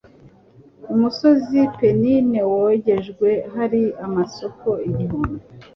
Umusozi Pennine wogejwe hari amasoko igihumbi